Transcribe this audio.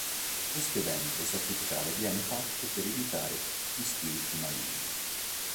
Questo evento sacrificale viene fatto per evitare gli spiriti maligni.